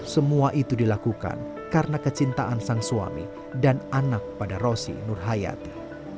semua itu dilakukan karena kecintaan sang suami dan anak pada rosi nurhayati